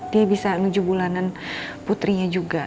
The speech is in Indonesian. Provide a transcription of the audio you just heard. dia bisa menuju bulanan putrinya juga